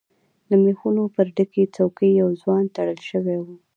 له ميخونو پر ډکې څوکی يو ځوان تړل شوی و.